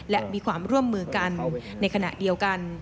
และมีความร่วมมือกันในขณะเดียวกัน